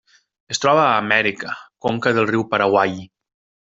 Es troba a Amèrica: conca del riu Paraguai.